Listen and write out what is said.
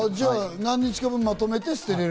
何日か分、まとめて捨てられる。